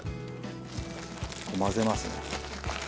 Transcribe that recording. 混ぜますね。